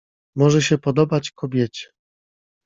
"Może się podobać kobiecie."